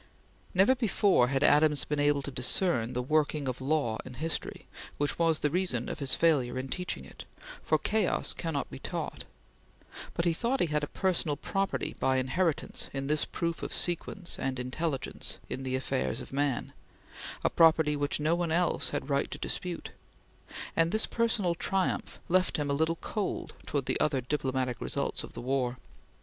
Never before had Adams been able to discern the working of law in history, which was the reason of his failure in teaching it, for chaos cannot be taught; but he thought he had a personal property by inheritance in this proof of sequence and intelligence in the affairs of man a property which no one else had right to dispute; and this personal triumph left him a little cold towards the other diplomatic results of the war.